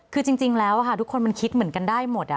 คือจริงแล้วทุกคนมันคิดเหมือนกันได้หมด